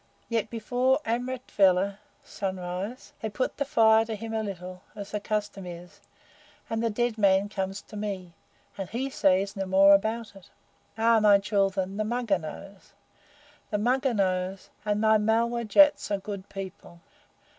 Yet before amratvela (sunrise) they put the fire to him a little, as the custom is, and the dead man comes to me, and HE says no more about it. Aha! my children, the Mugger knows the Mugger knows and my Malwah Jats are a good people!"